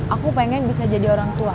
aku mau bekerja di rumah